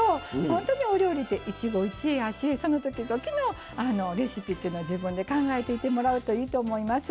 ほんとにお料理って一期一会やしその時々のレシピっていうのを自分で考えていってもらうといいと思います。